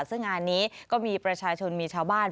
ซึ่งงานนี้ก็มีประชาชนมีชาวบ้าน